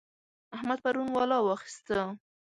احمد پرون ولا واخيسته.